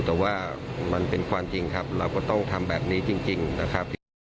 แต่ว่ามันเป็นความจริงครับเราก็ต้องทำแบบนี้จริงนะครับ